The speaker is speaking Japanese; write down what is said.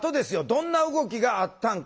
どんな動きがあったんかね？